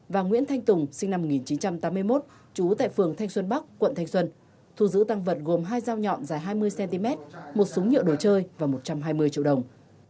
và nguyễn thanh tùng sinh năm một nghìn chín trăm tám mươi một trú tại phường thanh xuân bắc quận thanh xuân thu giữ tăng vật gồm hai dao nhọn dài hai mươi cm một súng nhựa đồ chơi và một trăm hai mươi triệu đồng